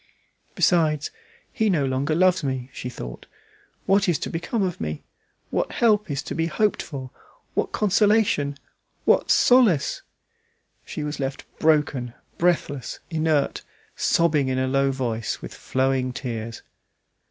"Besides, he no longer loves me," she thought. "What is to become of me? What help is to be hoped for, what consolation, what solace?" She was left broken, breathless, inert, sobbing in a low voice, with flowing tears.